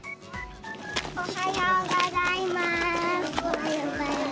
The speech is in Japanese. おはようございます。